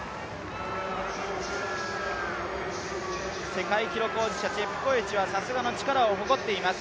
世界記録保持者チェプコエチはさすがの力を誇っています。